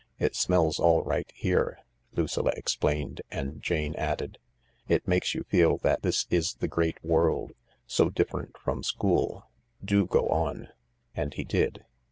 " It smells all right here," Lucilla explained, and Jane added : M It makes you feel that this is the great world : so dif ferent from school. Do go on." And he did.